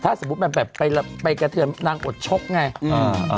ถ้าสมมุติ้มันไปกระเทือนนางกดชกอย่างนี้